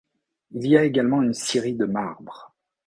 Il y a également une scierie de marbre.